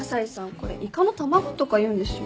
これイカの卵とか言うんですよ？